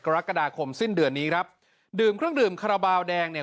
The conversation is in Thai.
กรกฎาคมสิ้นเดือนนี้ครับดื่มเครื่องดื่มคาราบาลแดงเนี่ย